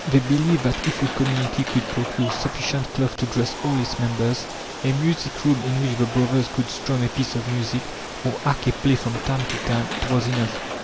They believed that if the community could procure sufficient cloth to dress all its members, a music room in which the "brothers" could strum a piece of music, or act a play from time to time, it was enough.